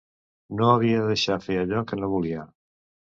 No havia de deixar fer allò que no volia.